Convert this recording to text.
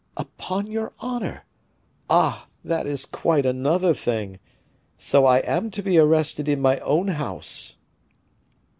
"Upon your honor ah! that is quite another thing! So I am to be arrested in my own house."